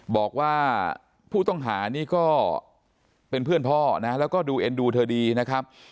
บอกว่าผู้ต้องหานี่ก็เป็นเพื่อนพ่อนะแล้วก็ดูเอ็นดูเธอดีนะครับ